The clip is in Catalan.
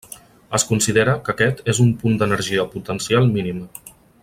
Es considera que aquest és un punt d'energia potencial mínima.